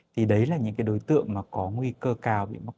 thì đấy là những cái đối tượng mà có nguy cơ cao bị mắc